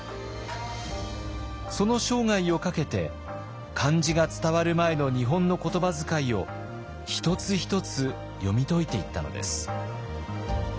その生涯をかけて漢字が伝わる前の日本の言葉遣いを一つ一つ読み解いていったのです。